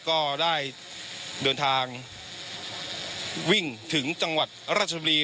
ก็ได้เดินทางวิ่งถึงจังหวัดราชบุรี